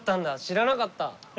知らなかった。